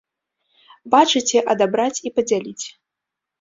Бачыце, адабраць і падзяліць!